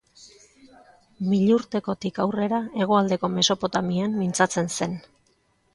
Milurtekotik aurrera hegoaldeko Mesopotamian mintzatzen zen.